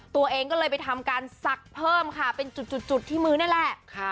ตัวเองก็เลยไปทำการสักเพิ่มค่ะเป็นจุดที่มือนี่แหละ